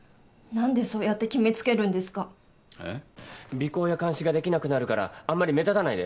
尾行や監視ができなくなるからあんまり目立たないで。